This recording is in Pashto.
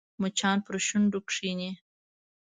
مچان پر شونډو کښېني